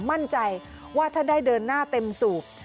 มั่นใจว่าถ้าได้เดินหน้าเต็มสูบ